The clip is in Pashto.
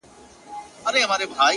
هغه له منځه ولاړ سي ـ